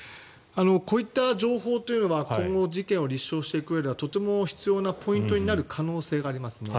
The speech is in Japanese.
こういった情報というのは今後事件を立証していくうえではとても必要なポイントになる可能性がありますね。